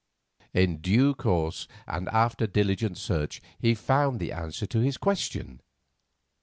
In due course, and after diligent search, he found the answer to this question.